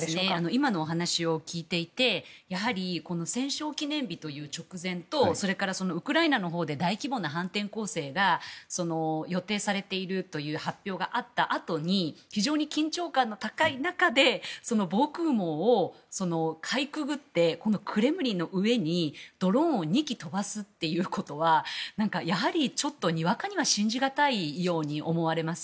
今のお話を聞いていてやはり戦勝記念日という直前とそれから、ウクライナのほうで大規模な反転攻勢が予定されているという発表があったあとに非常に緊張感の高い中で防空網をかいくぐってクレムリンの上にドローンを２機飛ばすということはやはり、ちょっとにわかには信じ難いように思われます。